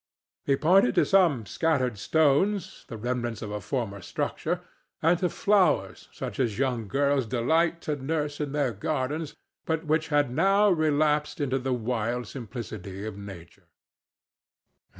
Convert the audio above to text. He pointed to some scattered stones, the remnants of a former structure, and to flowers such as young girls delight to nurse in their gardens, but which had now relapsed into the wild simplicity of nature.